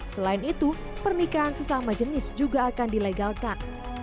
selain itu pernikahan sesama jenis juga akan dilegalkan